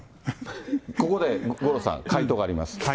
ここで五郎さん、回答があります。